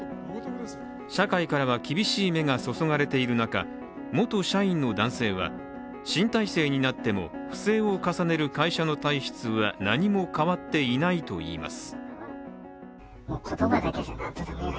社会からは厳しい目が注がれている中、元社員の男性は新体制になっても不正を重ねる会社の体質は何も変わっていないと言います。